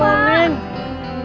udah dong pak